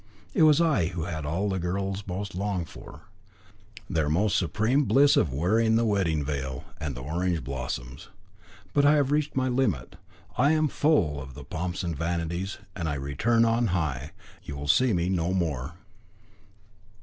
It was I who had what all girls most long for, their most supreme bliss of wearing the wedding veil and the orange blossoms. But I have reached my limit. I am full of the pomps and vanities, and I return on high. You will see me no more."